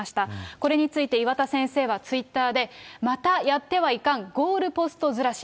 これについて岩田先生はツイッターで、またやってはいかんゴールポストずらし。